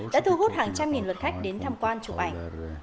đã thu hút hàng trăm nghìn lượt khách đến tham quan chụp ảnh